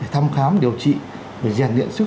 thăm khám điều trị và giàn điện sức